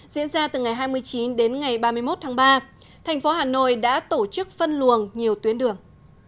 diễn ra từ ngày hai mươi chín đến ngày ba mươi một tháng ba thành phố hà nội đã tổ chức phân luồng nhiều tuyến đường